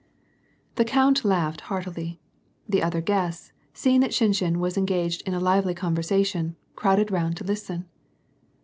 The count laughed heartily. The other guests, seeing that Shinshin was engaged in a lively conversation, crowded round to listen.